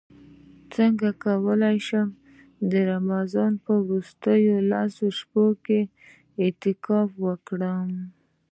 څنګه کولی شم د رمضان په وروستیو لسو شپو کې اعتکاف وکړم